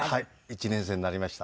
１年生になりました。